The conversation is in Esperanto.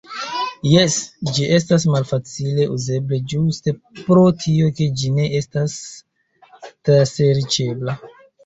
Jes, ĝi estas malfacile uzebla ĝuste pro tio ke ĝi ne estas traserĉebla.